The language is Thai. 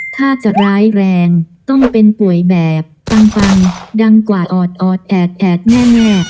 ถ้าจะร้ายแรงต้องเป็นป่วยแบบปังดังกว่าออดออดแอดแอดแน่